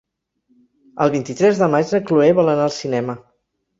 El vint-i-tres de maig na Cloè vol anar al cinema.